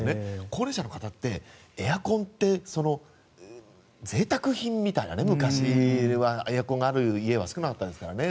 高齢者の方ってエアコンってぜいたく品みたいな、昔はエアコンがある家は少なかったですからね。